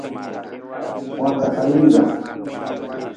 Korga kayinga.